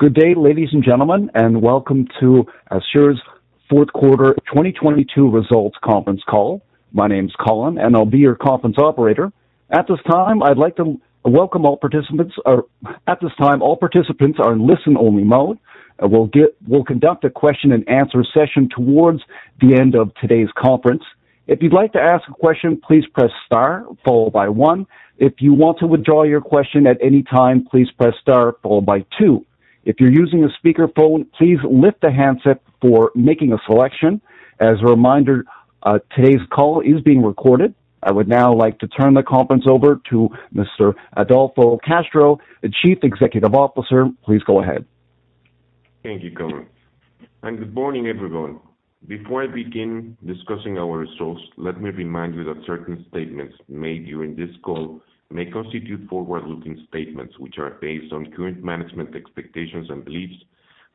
Good day, ladies and gentlemen, welcome to ASUR's Fourth Quarter 2022 Results Conference Call. My name is Colin, and I'll be your conference operator. At this time, I'd like to welcome all participants. At this time, all participants are in listen-only mode. We'll conduct a question-and-answer session towards the end of today's conference. If you'd like to ask a question, please press star followed by one. If you want to withdraw your question at any time, please press star followed by two. If you're using a speakerphone, please lift the handset for making a selection. As a reminder, today's call is being recorded. I would now like to turn the conference over to Mr. Adolfo Castro, the Chief Executive Officer. Please go ahead. Thank you, Colin. Good morning, everyone. Before I begin discussing our results, let me remind you that certain statements made during this call may constitute forward-looking statements, which are based on current management expectations and beliefs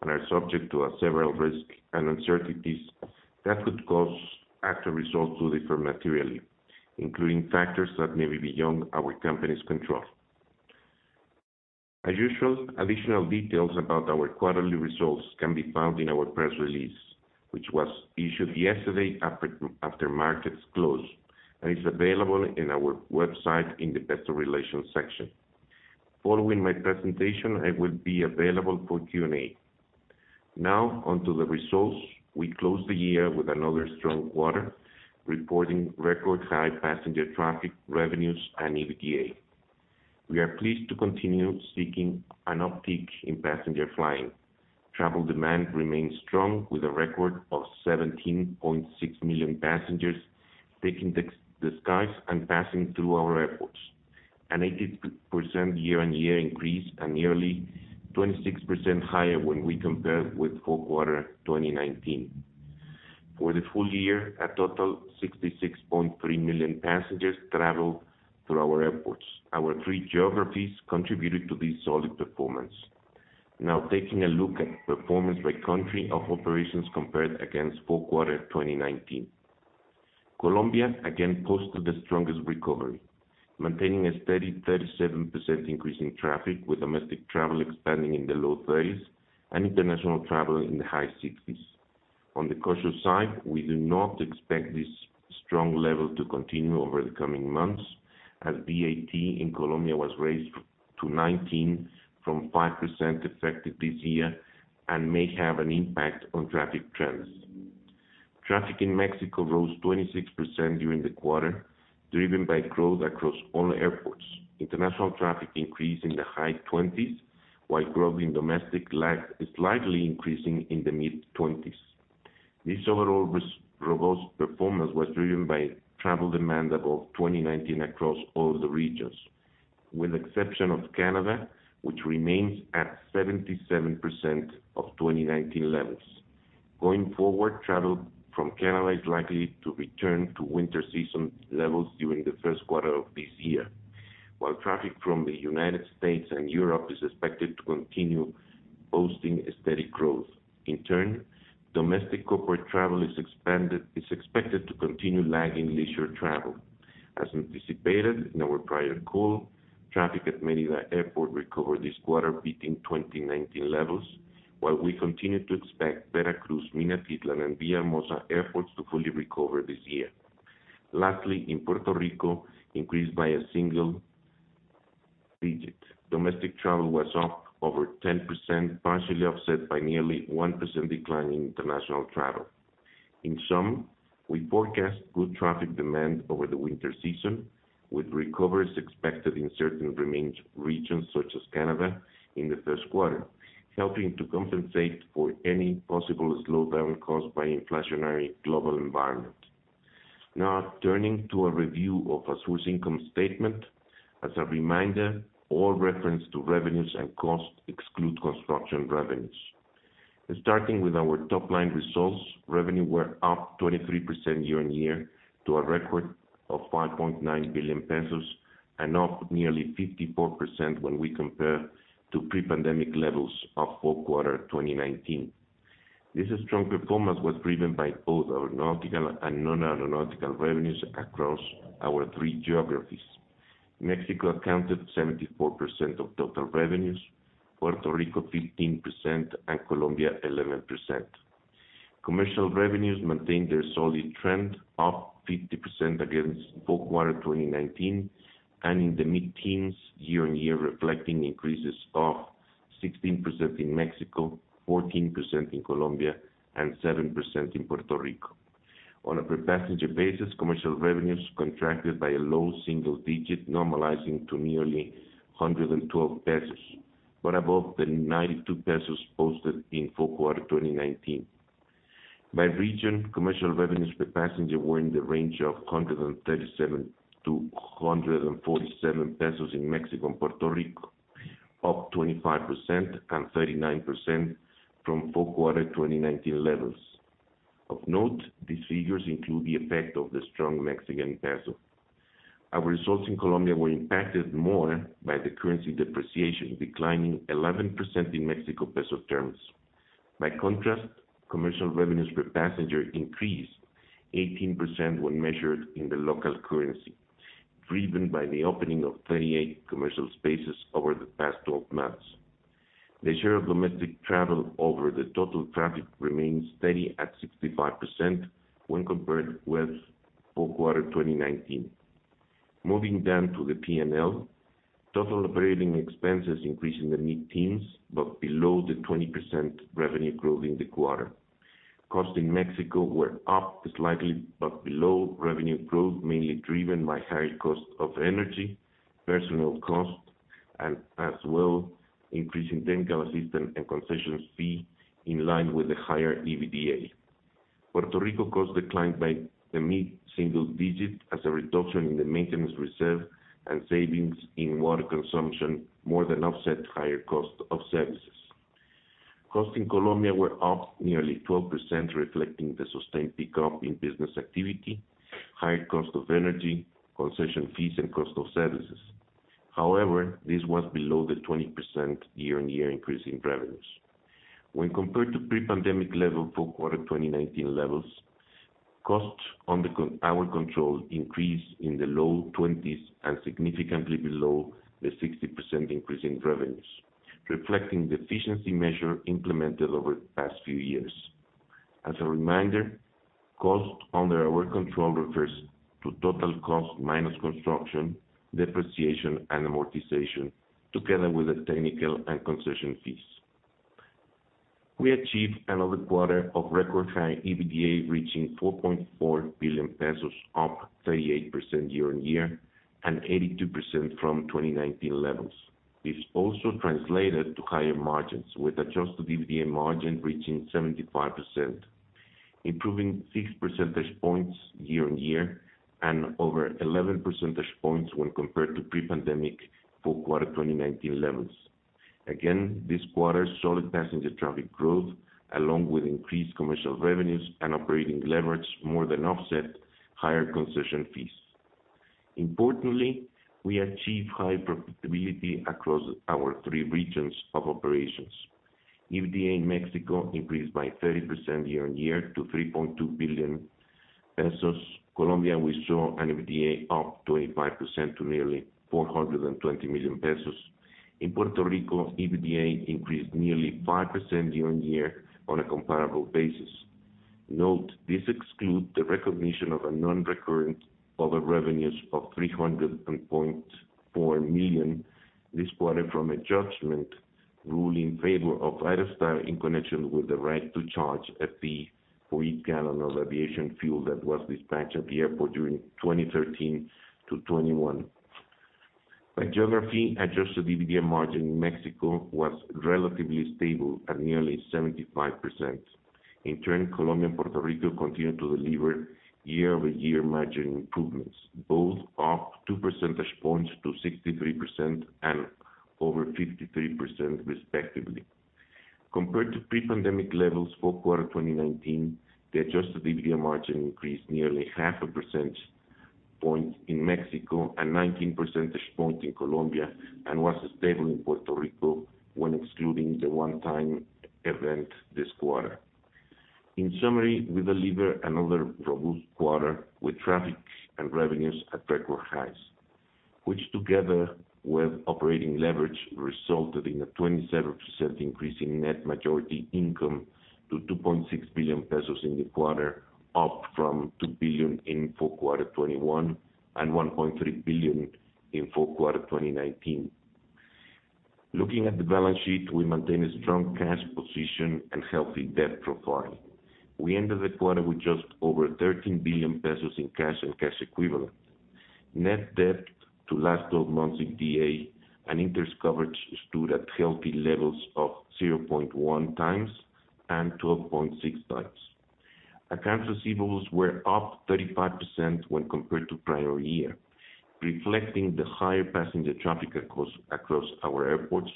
and are subject to several risks and uncertainties that could cause actual results to differ materially, including factors that may be beyond our company's control. As usual, additional details about our quarterly results can be found in our press release, which was issued yesterday after markets closed, and is available in our website in the Investor Relations section. Following my presentation, I will be available for Q&A. Now on to the results. We closed the year with another strong quarter, reporting record high passenger traffic, revenues, and EBITDA. We are pleased to continue seeking an uptick in passenger flying. Travel demand remains strong with a record of 17.6 million passengers taking the skies and passing through our airports, an 80% year-on-year increase and nearly 26% higher when we compare with fourth quarter 2019. For the full year, a total 66.3 million passengers traveled through our airports. Our three geographies contributed to this solid performance. Now taking a look at performance by country of operations compared against fourth quarter 2019. Colombia again posted the strongest recovery, maintaining a steady 37% increase in traffic, with domestic travel expanding in the low 30s and international travel in the high 60s. On the caution side, we do not expect this strong level to continue over the coming months, as VAT in Colombia was raised to 19% from 5% effective this year and may have an impact on traffic trends. Traffic in Mexico rose 26% during the quarter, driven by growth across all airports. International traffic increased in the high 20s, while growth in domestic lagged, slightly increasing in the mid-20s. This overall robust performance was driven by travel demand above 2019 across all the regions. With the exception of Canada, which remains at 77% of 2019 levels. Going forward, travel from Canada is likely to return to winter season levels during the first quarter of this year, while traffic from the United States and Europe is expected to continue posting a steady growth. In turn, domestic corporate travel is expected to continue lagging leisure travel. As anticipated in our prior call, traffic at Mérida Airport recovered this quarter, beating 2019 levels, while we continue to expect Veracruz, Minatitlan, and Villahermosa airports to fully recover this year. Lastly, in Puerto Rico, increased by a single digit. Domestic travel was up over 10%, partially offset by nearly 1% decline in international travel. In sum, we forecast good traffic demand over the winter season, with recoveries expected in certain regions such as Canada in the first quarter, helping to compensate for any possible slowdown caused by inflationary global environment. Now turning to a review of ASUR's income statement. As a reminder, all reference to revenues and costs exclude construction revenues. Starting with our top-line results, revenue were up 23% year-on-year to a record of 5.9 billion pesos and up nearly 54% when we compare to pre-pandemic levels of fourth quarter, 2019. This strong performance was driven by both aeronautical and non-aeronautical revenues across our three geographies. Mexico accounted 74% of total revenues, Puerto Rico 15%, and Colombia 11%. Commercial revenues maintained their solid trend, up 50% against fourth quarter 2019, and in the mid-teens year-on-year, reflecting increases of 16% in Mexico, 14% in Colombia, and 7% in Puerto Rico. On a per passenger basis, commercial revenues contracted by a low single digit, normalizing to nearly 112 pesos, but above the 92 pesos posted in fourth quarter 2019. By region, commercial revenues per passenger were in the range of 137-147 pesos in Mexico and Puerto Rico, up 25% and 39% from fourth quarter 2019 levels. Of note, these figures include the effect of the strong Mexican peso. Our results in Colombia were impacted more by the currency depreciation, declining 11% in MXN terms. By contrast, commercial revenues per passenger increased 18% when measured in the local currency, driven by the opening of 38 commercial spaces over the past 12 months. The share of domestic travel over the total traffic remains steady at 65% when compared with fourth quarter 2019. Moving down to the P&L. Total operating expenses increased in the mid-teens, but below the 20% revenue growth in the quarter. Costs in Mexico were up slightly but below revenue growth, mainly driven by higher costs of energy, personal costs, and as well increase in technical assistance and concession fees in line with the higher EBITDA. Puerto Rico costs declined by the mid-single digits as a reduction in the maintenance reserve and savings in water consumption more than offset higher costs of services. Costs in Colombia were up nearly 12%, reflecting the sustained pickup in business activity, higher cost of energy, concession fees, and cost of services. This was below the 20% year-on-year increase in revenues. When compared to pre-pandemic level fourth quarter 2019 levels, costs under our control increased in the low 20s and significantly below the 60% increase in revenues, reflecting the efficiency measure implemented over the past few years. As a reminder, costs under our control refers to total cost minus construction, depreciation, and amortization together with the technical and concession fees. We achieved another quarter of record high EBITDA, reaching 4.4 billion pesos, up 38% year-on-year and 82% from 2019 levels. This also translated to higher margins, with adjusted EBITDA margin reaching 75%, improving 6 percentage points year-on-year and over 11 percentage points when compared to pre-pandemic fourth quarter 2019 levels. This quarter's solid passenger traffic growth, along with increased commercial revenues and operating leverage, more than offset higher concession fees. Importantly, we achieved high profitability across our three regions of operations. EBITDA in Mexico increased by 30% year-on-year to 3.2 billion pesos. Colombia, we saw an EBITDA up to 85% to nearly 420 million pesos. In Puerto Rico, EBITDA increased nearly 5% year-on-year on a comparable basis. Note, this excludes the recognition of a non-recurrent other revenues of $300.4 million this quarter from a judgment ruling in favor of Aerostar in connection with the right to charge a fee for each gallon of aviation fuel that was dispatched at the airport during 2013-2021. By geography, adjusted EBITDA margin in Mexico was relatively stable at nearly 75%. Colombia and Puerto Rico continued to deliver year-over-year margin improvements, both up 2 percentage points to 63% and over 53% respectively. Compared to pre-pandemic levels fourth quarter 2019, the adjusted EBITDA margin increased nearly half a percent point in Mexico and 19 percentage points in Colombia, and was stable in Puerto Rico when excluding the one-time event this quarter. In summary, we delivered another robust quarter with traffic and revenues at record highs, which together with operating leverage, resulted in a 27% increase in net majority income to 2.6 billion pesos in the quarter, up from 2 billion in fourth quarter 2021 and 1.3 billion in fourth quarter 2019. Looking at the balance sheet, we maintain a strong cash position and healthy debt profile. We ended the quarter with just over 13 billion pesos in cash and cash equivalents. Net debt to last 12 months EBITDA and interest coverage stood at healthy levels of 0.1x and 12.6x. Account receivables were up 35% when compared to prior year, reflecting the higher passenger traffic across our airports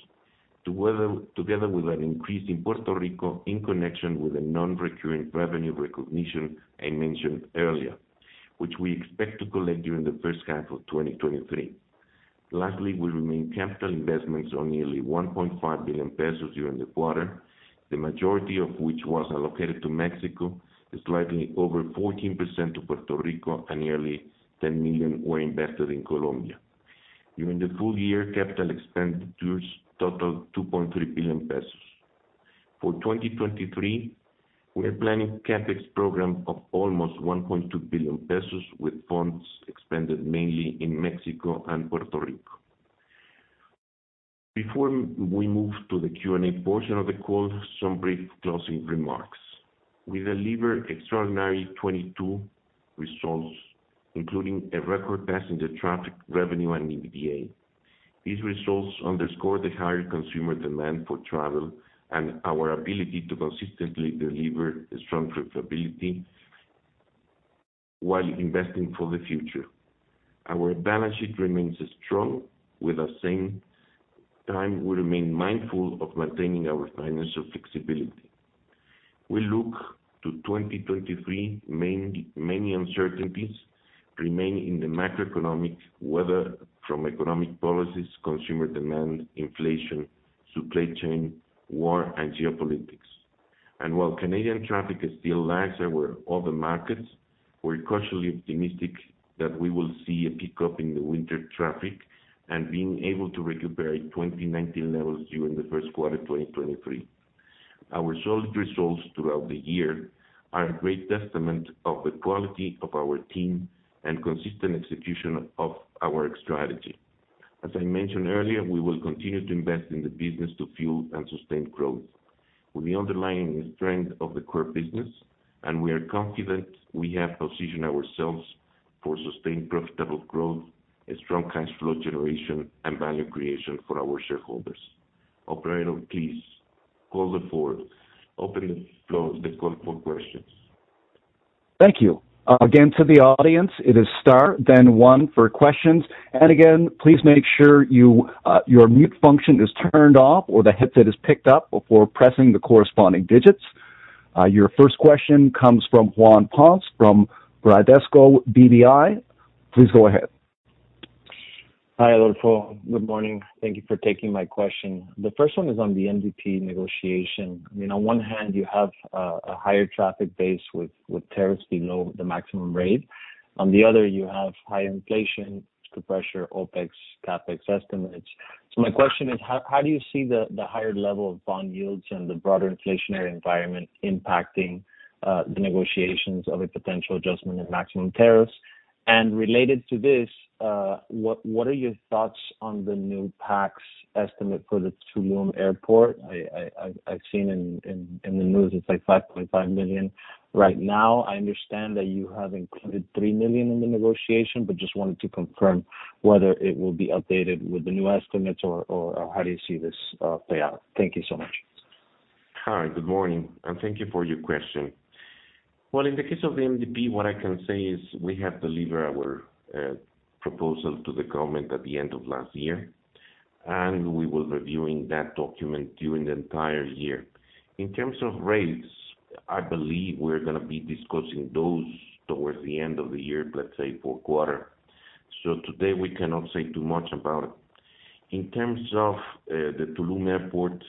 together with an increase in Puerto Rico in connection with the non-recurring revenue recognition I mentioned earlier, which we expect to collect during the first half of 2023. We remained capital investments on nearly 1.5 billion pesos during the quarter, the majority of which was allocated to Mexico, slightly over 14% to Puerto Rico, and nearly 10 million were invested in Colombia. During the full year, capital expenditures totaled 2.3 billion pesos. For 2023, we are planning a CapEx program of almost 1.2 billion pesos, with funds expended mainly in Mexico and Puerto Rico. Before we move to the Q&A portion of the call, some brief closing remarks. We delivered extraordinary 2022 results, including a record passenger traffic revenue and EBITDA. These results underscore the higher consumer demand for travel and our ability to consistently deliver strong profitability while investing for the future. Our balance sheet remains strong. With the same time, we remain mindful of maintaining our financial flexibility. We look to 2023, many uncertainties remain in the macroeconomic, whether from economic policies, consumer demand, inflation, supply chain, war, and geopolitics. While Canadian traffic is still larger where all the markets, we're cautiously optimistic that we will see a pickup in the winter traffic and being able to recuperate 2019 levels during the first quarter of 2023. Our solid results throughout the year are a great testament of the quality of our team and consistent execution of our strategy. As I mentioned earlier, we will continue to invest in the business to fuel and sustain growth with the underlying strength of the core business, and we are confident we have positioned ourselves for sustained profitable growth, a strong cash flow generation, and value creation for our shareholders. Operator, please call the floor. Open the floor. The call for questions. Thank you. Again, to the audience, it is star then one for questions. Again, please make sure you your mute function is turned off or the headset is picked up before pressing the corresponding digits. Your first question comes from Juan Ponce from Bradesco BBI. Please go ahead. Hi, Adolfo. Good morning. Thank you for taking my question. The first one is on the MDP negotiation. You know, on one hand, you have a higher traffic base with tariffs below the maximum tariffs. On the other, you have high inflation to pressure OpEx, CapEx estimates. So my question is: How do you see the higher level of bond yields and the broader inflationary environment impacting the negotiations of a potential adjustment in maximum tariffs? Related to this, what are your thoughts on the new PACs estimate for the Tulum Airport? I've seen in the news it's like 5.5 million. Right now, I understand that you have included 3 million in the negotiation, but just wanted to confirm whether it will be updated with the new estimates or how do you see this play out. Thank you so much. Hi, good morning, thank you for your question. Well, in the case of the MDP, what I can say is we have delivered our proposal to the government at the end of last year, and we will reviewing that document during the entire year. In terms of rates, I believe we're gonna be discussing those towards the end of the year, let's say fourth quarter. Today, we cannot say too much about it. In terms of the Tulum airport,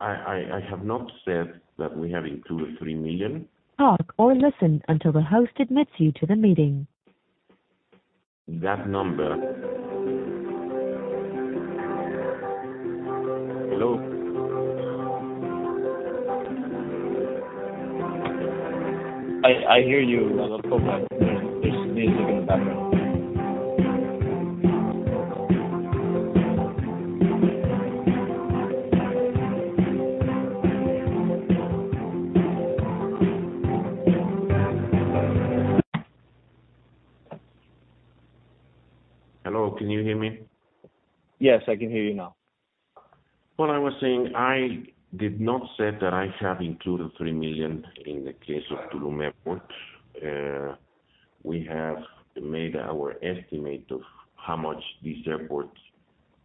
I have not said that we have included 3 million. Talk or listen until the host admits you to the meeting. That number... Hello? I hear you, Adolfo, but there's music in the background. Hello, can you hear me? Yes, I can hear you now. What I was saying, I did not say that I have included 3 million in the case of Tulum Airport. We have made our estimate of how much this airport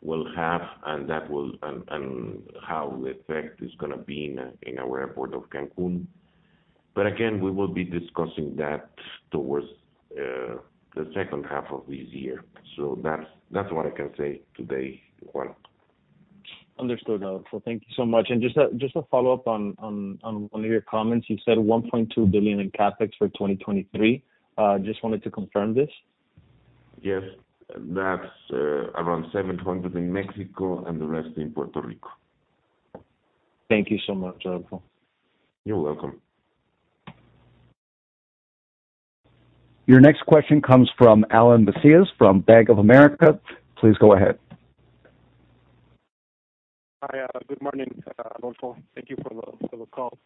will have, and how the effect is gonna be in our airport of Cancun. Again, we will be discussing that towards the second half of this year. That's what I can say today, Juan. Understood, Adolfo. Thank you so much. Just a follow-up on one of your comments. You said $1.2 billion in CapEx for 2023. Just wanted to confirm this? Yes. That's around 700 in Mexico and the rest in Puerto Rico. Thank you so much, Adolfo. You're welcome. Your next question comes from Alan Macias from Bank of America. Please go ahead. Hi. Good morning, Adolfo. Thank you for the call.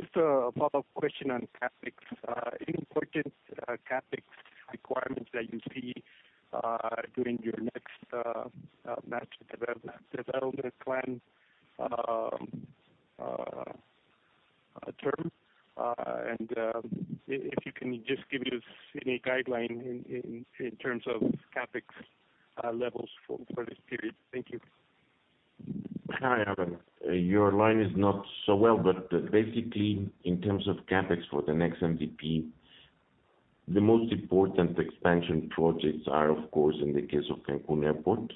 Just a follow-up question on CapEx. Any important CapEx requirements that you see during your next master development plan term? If you can just give us any guideline in terms of CapEx levels for this period. Thank you. Hi, Alan. Your line is not so well, but basically in terms of CapEx for the next MDP, the most important expansion projects are, of course, in the case of Cancun Airport.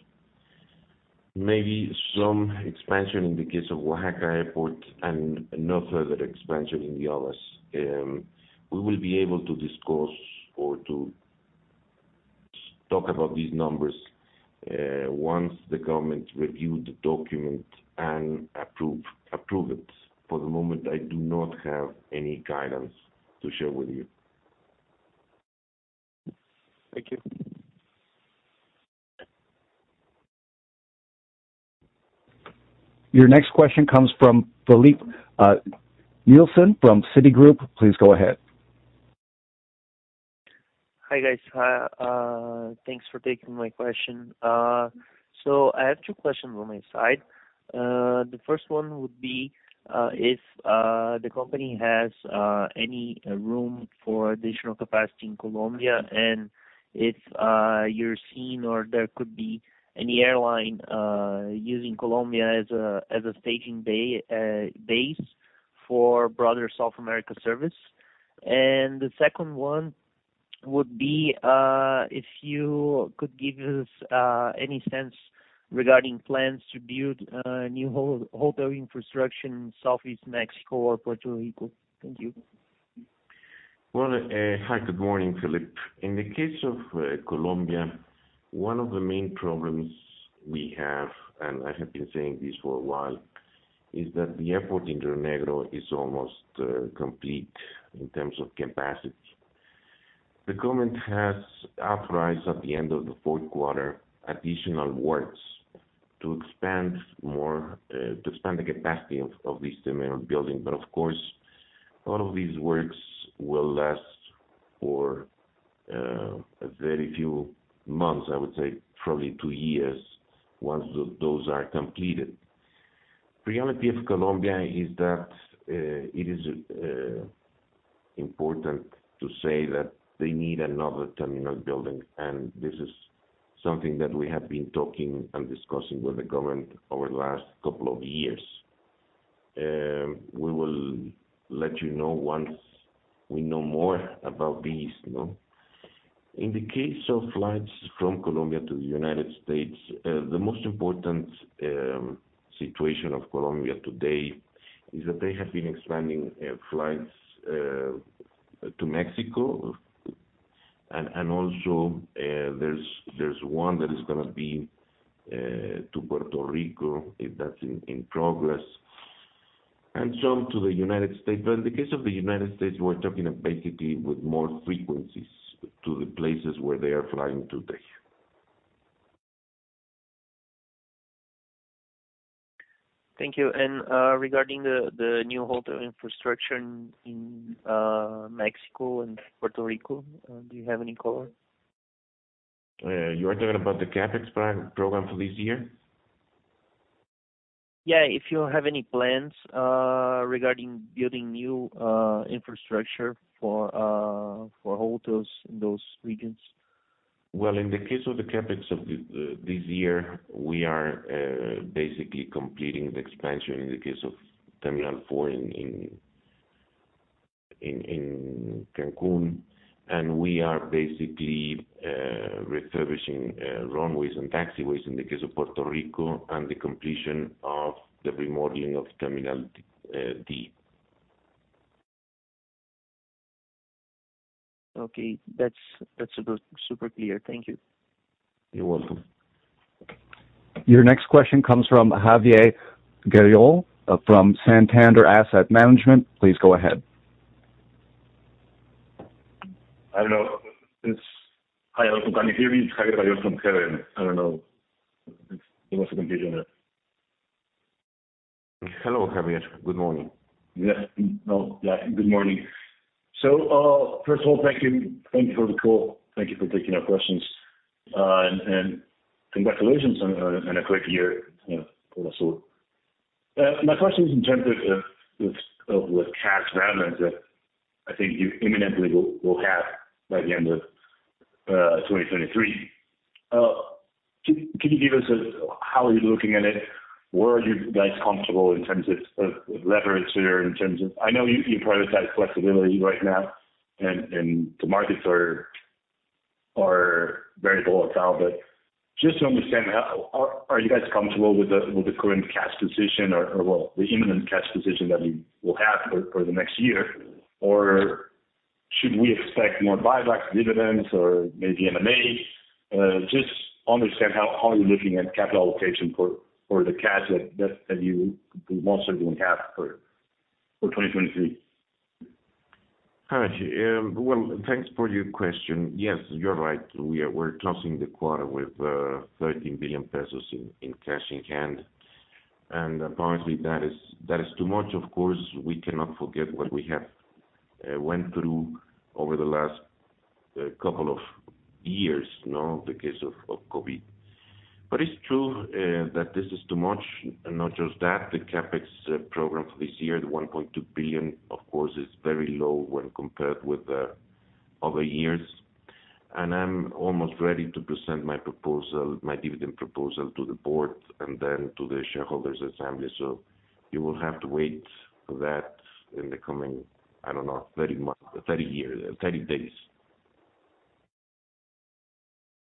Maybe some expansion in the case of Oaxaca Airport and no further expansion in the others. We will be able to discuss or to talk about these numbers once the government review the document and approve it. For the moment, I do not have any guidance to share with you. Thank you. Your next question comes from Filipe Nielsen from Citigroup. Please go ahead. Hi, guys. Thanks for taking my question. I have two questions on my side. The first one would be if the company has any room for additional capacity in Colombia and if you're seeing or there could be any airline using Colombia as a staging bay base for broader South America service. The second one would be if you could give us any sense regarding plans to build new hotel infrastructure in Southeast Mexico or Puerto Rico. Thank you. Well, hi, good morning, Filipe. In the case of Colombia, one of the main problems we have, and I have been saying this for a while, is that the airport in Rionegro is almost complete in terms of capacity. The government has authorized at the end of the fourth quarter additional works to expand more, to expand the capacity of this terminal building. Of course, all of these works will last for a very few months, I would say probably two years once those are completed. The reality of Colombia is that it is important to say that they need another terminal building. This is something that we have been talking and discussing with the government over the last couple of years. We will let you know once we know more about this, you know. In the case of flights from Colombia to the United States, the most important situation of Colombia today is that they have been expanding flights to Mexico. Also, there's one that is gonna be to Puerto Rico, if that's in progress, and some to the United States. In the case of the United States, we're talking basically with more frequencies to the places where they are flying today. Thank you. Regarding the new hotel infrastructure in Mexico and Puerto Rico, do you have any color? You are talking about the CapEx plan program for this year? Yeah. If you have any plans regarding building new infrastructure for hotels in those regions. In the case of the CapEx of this year, we are basically completing the expansion in the case of Terminal 4 in Cancun. We are basically refurbishing runways and taxiways in the case of Puerto Rico and the completion of the remodeling of terminal D. Okay. That's super clear. Thank you. You're welcome. Your next question comes from Javier Gayol from Santander Asset Management. Please go ahead. I don't know. Hi. Also, can you hear me? It's Javier Gayol from Santander. I don't know. There must have been confusion there..Hello, Javier. Good morning. Yeah. No. Yeah. Good morning. First of all, thank you. Thank you for the call. Thank you for taking our questions. And congratulations on a great year. You know? Also. My question is in terms of with cash balance that I think you imminently will have by the end of 2023. Can you give us how are you looking at it? Where are you guys comfortable in terms of leverage or in terms of... I know you prioritize flexibility right now, and the markets are very volatile. Just to understand, are you guys comfortable with the current cash position or, well, the imminent cash position that you will have for the next year? Or should we expect more buybacks, dividends or maybe M&A? Just understand how are you looking at capital allocation for the cash that you most certainly have for 2023? Got you. Well, thanks for your question. Yes, you're right. We're closing the quarter with 13 billion pesos in cash in hand. Apparently, that is, that is too much. Of course, we cannot forget what we have went through over the last couple of years, you know, the case of COVID. It's true that this is too much. Not just that, the CapEx program for this year, the 1.2 billion, of course, is very low when compared with the other years. I'm almost ready to present my proposal, my dividend proposal to the board and then to the shareholders' assembly. You will have to wait for that in the coming, I don't know, 30 years, 30 days.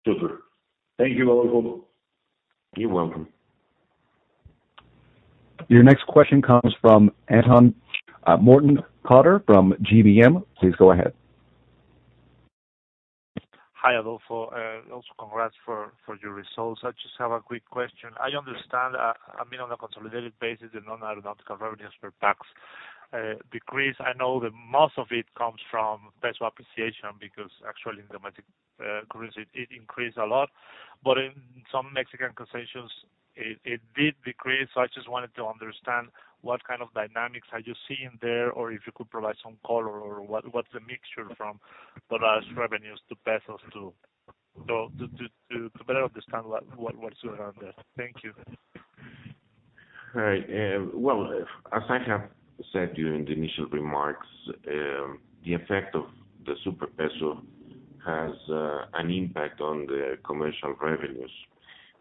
Super. Thank you, Adolfo. You're welcome. Your next question comes from Anton Mortenkotter from GBM. Please go ahead. Hi, Adolfo. Also congrats for your results. I just have a quick question. I understand, I mean, on a consolidated basis, the non-aeronautical revenues per PAX decreased. I know that most of it comes from peso appreciation because actually in domestic currency it increased a lot. In some Mexican concessions, it did decrease. I just wanted to understand what kind of dynamics are you seeing there or if you could provide some color or what's the mixture from dollar revenues to pesos to better understand what's going on there. Thank you. All right. Well, as I have said during the initial remarks, the effect of the super peso has an impact on the commercial revenues.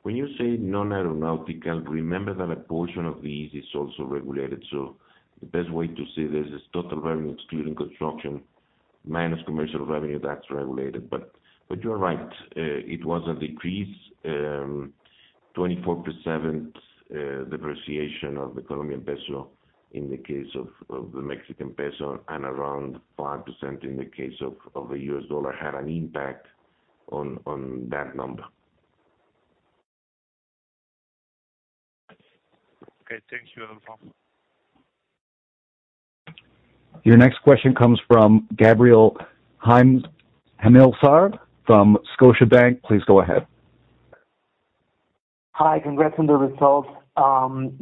When you say non-aeronautical, remember that a portion of these is also regulated. The best way to say this is total revenue excluding construction minus commercial revenue that's regulated. You are right. It was a decrease, 24% depreciation of the Colombian peso in the case of the Mexican peso, and around 5% in the case of the US dollar had an impact on that number. Okay. Thank you, Adolfo. Your next question comes from Gabriel Himelfarb from Scotiabank. Please go ahead. Hi. Congrats on the results.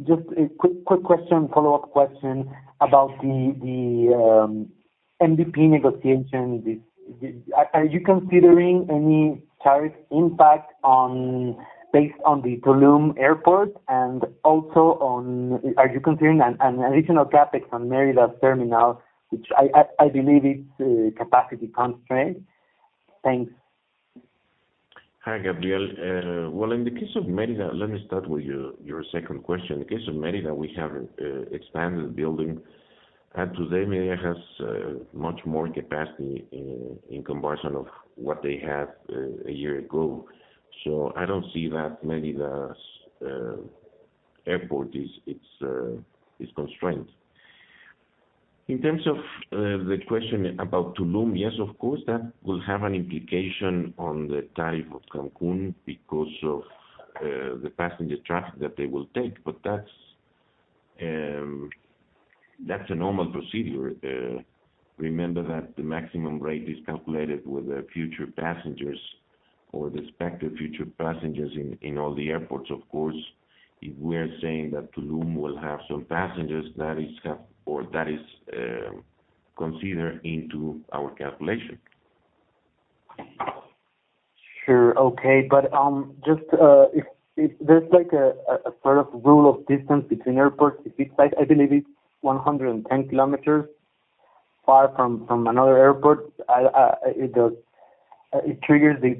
Just a quick question, follow-up question about the MVP negotiation. Are you considering any tariff impact based on the Tulum Airport and also are you considering an additional CapEx on Mérida terminal, which I believe it's capacity constrained? Thanks. Hi, Gabriel. Well, in the case of Mérida, let me start with your second question. In the case of Mérida, we have expanded the building, today Mérida has much more capacity in comparison of what they had a year ago. I don't see that Mérida's airport is constrained. In terms of the question about Tulum, yes, of course, that will have an implication on the tariff of Cancún because of the passenger traffic that they will take. That's a normal procedure. Remember that the maximum rate is calculated with the future passengers or the expected future passengers in all the airports. Of course, if we are saying that Tulum will have some passengers, that is considered into our calculation. Sure. Okay. Just, if there's like a sort of rule of distance between airports, if it's like, I believe it's 110 km far from another airport, it triggers the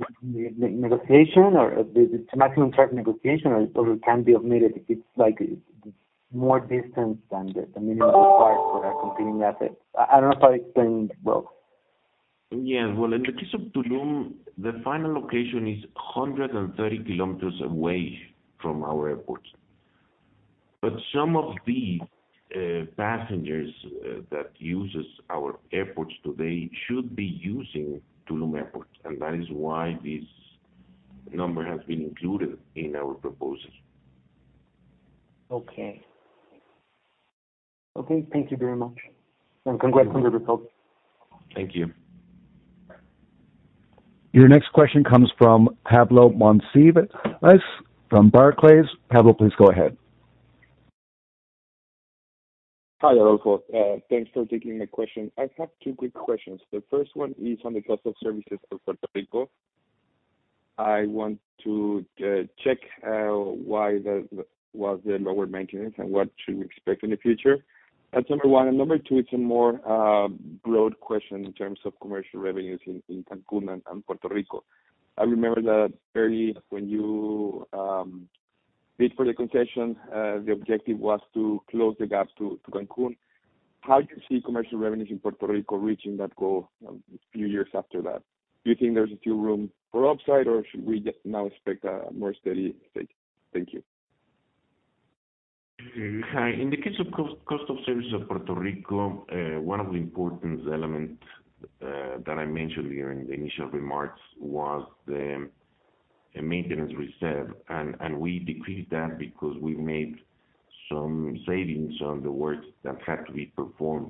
negotiation or the maximum tariff negotiation, or it can be omitted if it's like more distance than the minimum required for a competing asset. I don't know if I explained well. Yeah. In the case of Tulum, the final location is 130 kilometers away from our airport. Some of the passengers that uses our airports today should be using Tulum Airport, and that is why this number has been included in our proposal. Okay. Okay, thank you very much, and congrats on the results. Thank you. Your next question comes from Pablo Monsivais from Barclays. Pablo, please go ahead. Hi, Adolfo. Thanks for taking the question. I have two quick questions. The first one is on the cost of services for Puerto Rico. I want to check why the, was the lower maintenance and what should we expect in the future. That's number one. Number two, it's a more broad question in terms of commercial revenues in Cancún and Puerto Rico. I remember that early when you bid for the concession, the objective was to close the gap to Cancún. How do you see commercial revenues in Puerto Rico reaching that goal a few years after that? Do you think there's still room for upside, or should we just now expect a more steady state? Thank you. Hi. In the case of cost of services of Puerto Rico, one of the important element that I mentioned during the initial remarks was the maintenance reserve, and we decreased that because we made some savings on the work that had to be performed.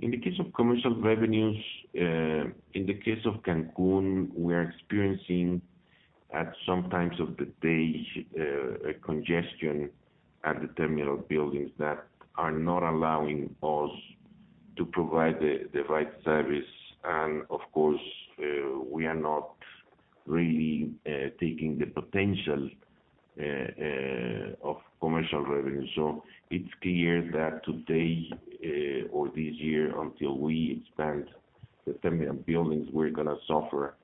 In the case of commercial revenues, in the case of Cancún, we are experiencing, at some times of the day, a congestion at the terminal buildings that are not allowing us to provide the right service and of course, we are not really taking the potential of commercial revenue. It's clear that today, or this year, until we expand the terminal buildings, we're gonna suffer,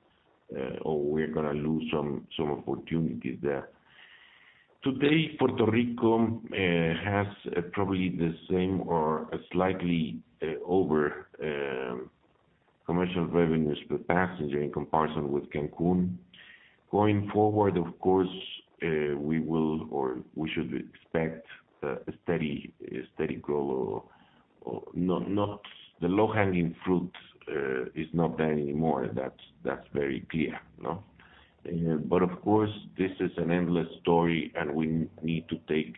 or we're gonna lose some opportunities there. Today, Puerto Rico has probably the same or a slightly over commercial revenues per passenger in comparison with Cancún. Going forward, of course, we will or we should expect a steady growth or not... The low-hanging fruit is not there anymore. That's very clear, no? Of course, this is an endless story, and we need to take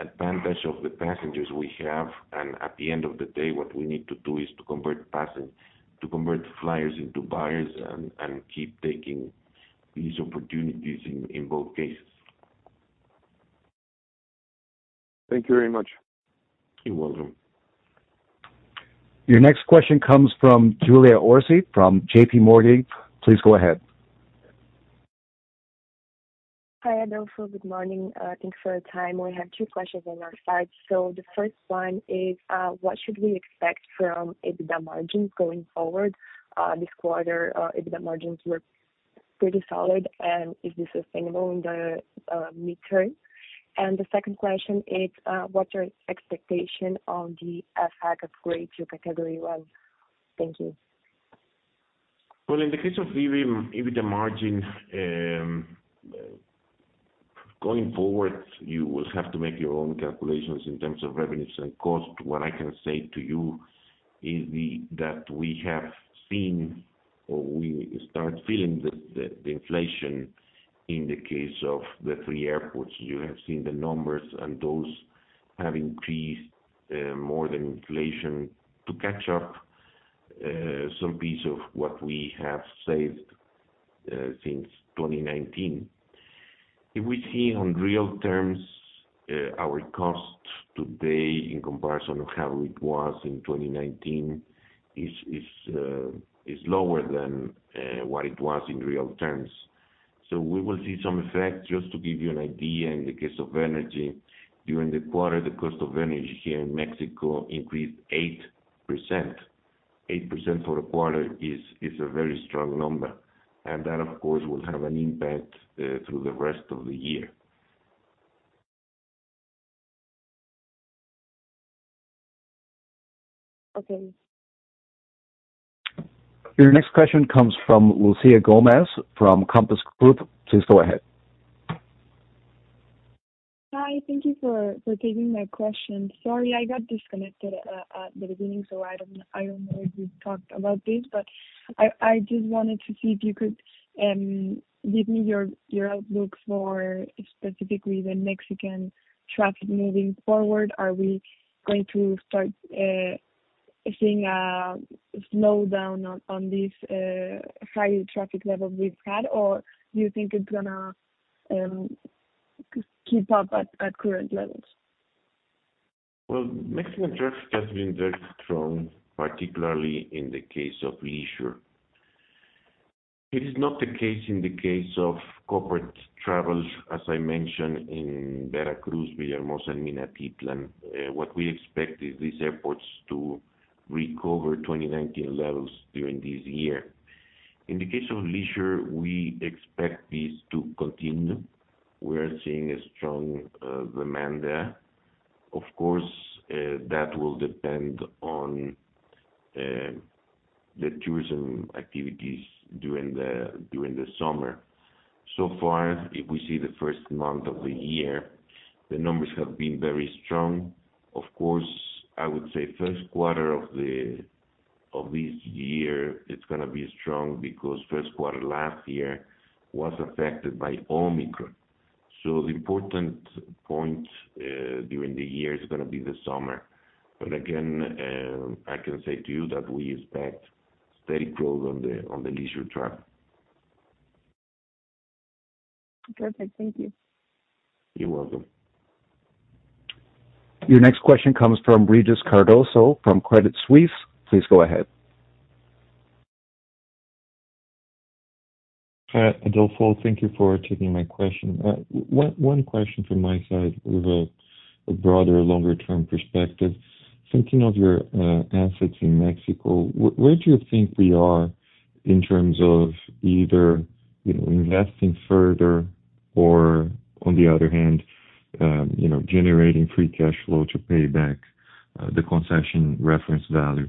advantage of the passengers we have. At the end of the day, what we need to do is to convert flyers into buyers and keep taking these opportunities in both cases. Thank you very much. You're welcome. Your next question comes from Julia Orsi from JPMorgan. Please go ahead. Hi, Adolfo. Good morning. Thanks for your time. We have two questions on our side. The first one is, what should we expect from EBITDA margins going forward? This quarter, EBITDA margins were pretty solid, and is this sustainable in the mid-term? The second question is, what's your expectation on the effect of grade to Category 1? Thank you. In the case of the EBITDA margin, going forward, you will have to make your own calculations in terms of revenues and cost. What I can say to you is that we have seen, or we start feeling the inflation in the case of the three airports. You have seen the numbers, and those have increased more than inflation to catch up some piece of what we have saved since 2019. If we see on real terms, our cost today in comparison of how it was in 2019 is lower than what it was in real terms. We will see some effect. Just to give you an idea, in the case of energy, during the quarter, the cost of energy here in Mexico increased 8%. 8% for a quarter is a very strong number. That of course, will have an impact through the rest of the year. Okay. Your next question comes from Lucila Gómez from Compass Group. Please go ahead. Hi. Thank you for taking my question. Sorry, I got disconnected at the beginning, so I don't know if you talked about this. I just wanted to see if you could give me your outlook for specifically the Mexican traffic moving forward. Are we going to start seeing a slowdown on this high traffic level we've had? Do you think it's gonna keep up at current levels? Mexican traffic has been very strong, particularly in the case of leisure. It is not the case in the case of corporate travel, as I mentioned, in Veracruz, Villahermosa, and Minatitlan. What we expect is these airports to recover 2019 levels during this year. In the case of leisure, we expect this to continue. We are seeing a strong demand there. Of course, that will depend on the tourism activities during the summer. So far, if we see the first month of the year, the numbers have been very strong. Of course, I would say first quarter of this year, it's gonna be strong because first quarter last year was affected by Omicron. The important point during the year is gonna be the summer. Again, I can say to you that we expect steady growth on the leisure track. Perfect. Thank you. You're welcome. Your next question comes from Regis Cardoso from Credit Suisse. Please go ahead. Hi, Adolfo. Thank you for taking my question. One question from my side with a broader longer term perspective. Thinking of your assets in Mexico, where do you think we are in terms of either, you know, investing further or on the other hand, you know, generating free cash flow to pay back the concession reference value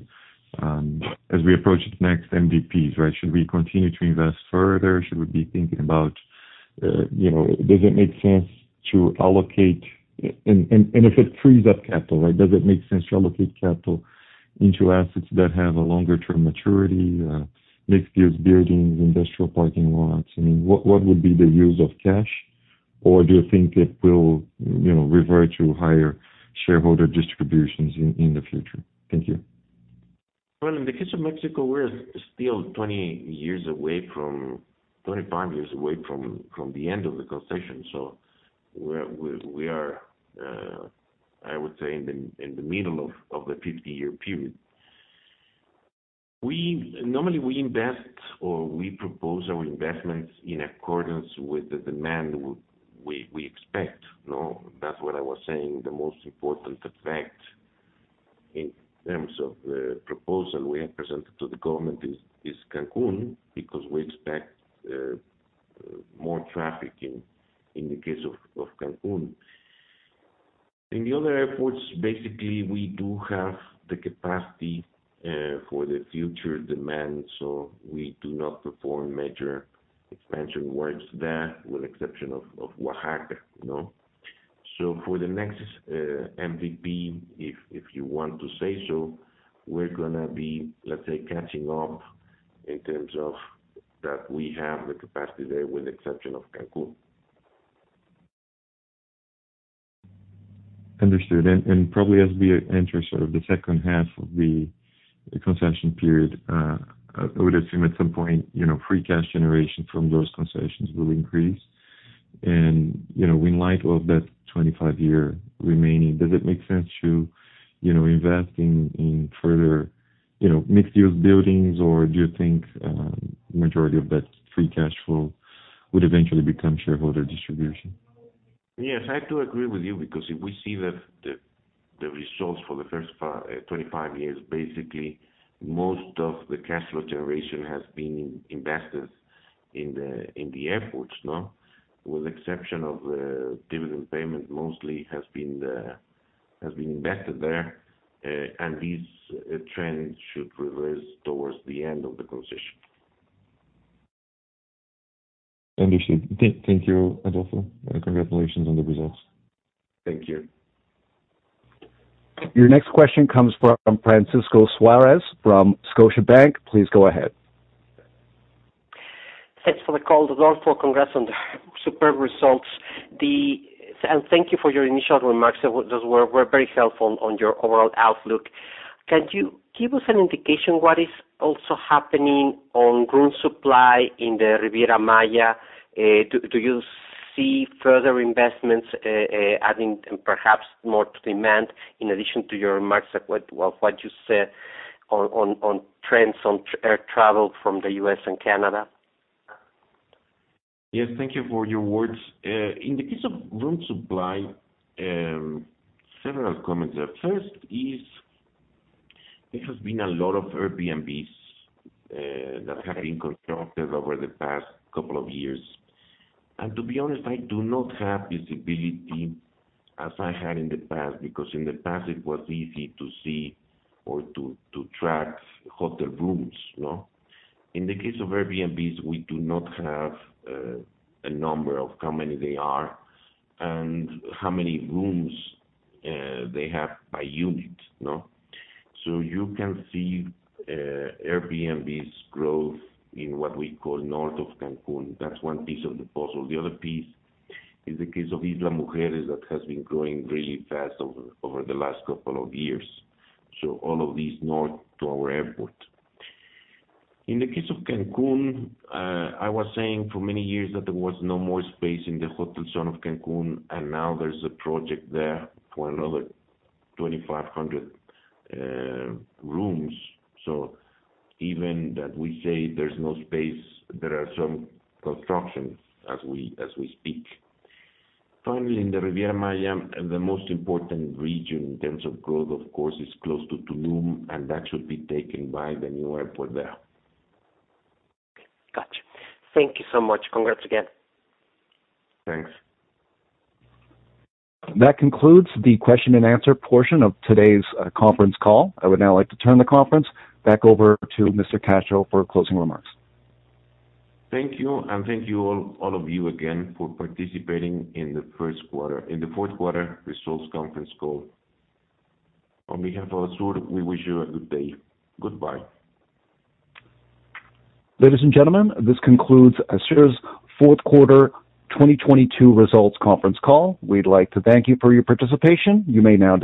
as we approach the next MDPs, right? Should we continue to invest further? Should we be thinking about, you know, does it make sense to allocate? If it frees up capital, right, does it make sense to allocate capital into assets that have a longer term maturity, mixed-use buildings, industrial parking lots? I mean, what would be the use of cash, or do you think it will, you know, revert to higher shareholder distributions in the future? Thank you. In the case of Mexico, we're still 25 years away from the end of the concession. We are, I would say, in the middle of the 50-year period. Normally, we invest or we propose our investments in accordance with the demand we expect, no? That's what I was saying, the most important effect in terms of the proposal we have presented to the government is Cancun because we expect more traffic in the case of Cancun. In the other airports, basically we do have the capacity for the future demand, so we do not perform major expansion works there, with exception of Oaxaca, you know. For the next, MDP, if you want to say so, we're gonna be, let's say, catching up in terms of that we have the capacity there, with exception of Cancun. Understood. Probably as we enter sort of the second half of the concession period, I would assume at some point, you know, free cash generation from those concessions will increase. You know, in light of that 25-year remaining, does it make sense to, you know, invest in further, you know, mixed-use buildings, or do you think majority of that free cash flow would eventually become shareholder distribution? Yes, I do agree with you because if we see that the results for the first 25 years, basically most of the cash flow generation has been invested in the airports, no. With exception of the dividend payment mostly has been invested there. These trends should reverse towards the end of the concession. Understood. Thank you, Adolfo. Congratulations on the results. Thank you. Your next question comes from Francisco Suarez from Scotiabank. Please go ahead. Thanks for the call, Adolfo. Congrats on the superb results. Thank you for your initial remarks. Those were very helpful on your overall outlook. Can you give us an indication what is also happening on room supply in the Riviera Maya? Do you see further investments adding perhaps more demand in addition to your remarks of what you said on trends on air travel from the U.S. and Canada? Yes. Thank you for your words. In the case of room supply, several comments there. First is there has been a lot of Airbnbs that have been constructed over the past couple of years. To be honest, I do not have visibility as I had in the past because in the past it was easy to see or to track hotel rooms, you know. In the case of Airbnbs, we do not have a number of how many they are and how many rooms they have by unit, no? You can see Airbnb's growth in what we call north of Cancun. That's one piece of the puzzle. The other piece is the case of Isla Mujeres that has been growing really fast over the last couple of years. All of these north to our airport. In the case of Cancun, I was saying for many years that there was no more space in the hotel zone of Cancun, now there's a project there for another 2,500 rooms. Even that we say there's no space, there are some constructions as we speak. Finally, in the Riviera Maya, the most important region in terms of growth, of course, is close to Tulum, that should be taken by the new airport there. Gotcha. Thank you so much. Congrats again. Thanks. That concludes the question and answer portion of today's conference call. I would now like to turn the conference back over to Mr. Castro for closing remarks. Thank you, thank you all of you again for participating in the fourth quarter results conference call. On behalf of ASUR, we wish you a good day. Goodbye. Ladies and gentlemen, this concludes ASUR's fourth quarter 2022 results conference call. We'd like to thank you for your participation. You may now disconnect.